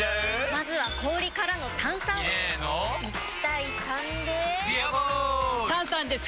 まずは氷からの炭酸！入れの１：３で「ビアボール」！